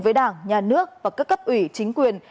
với đảng nhà nước và các cấp ủy chính quyền